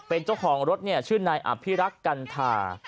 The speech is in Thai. เป็นเจ้าของรถเนี่ยชื่อนายอภิรักษ์กันทา